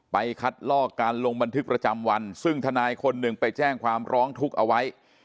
คัดลอกการลงบันทึกประจำวันซึ่งทนายคนหนึ่งไปแจ้งความร้องทุกข์เอาไว้